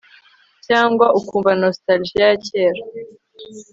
cyangwa ukumva nostalgia ya kera